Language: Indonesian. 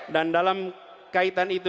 dan dalam kaitan itu